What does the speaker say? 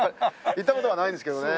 行った事はないんですけどね。